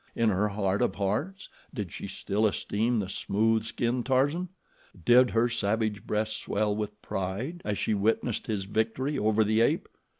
In her heart of hearts did she still esteem the smooth skinned Tarzan? Did her savage breast swell with pride as she witnessed his victory over the ape?